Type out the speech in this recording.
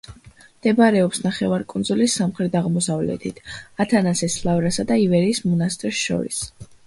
მდებარეობს ნახევარკუნძულის სამხრეთ-აღმოსავლეთით, ათანასეს ლავრასა და ივერიის მონასტერს შორის.